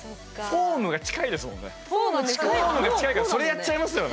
フォームが近いからそれやっちゃいますよね！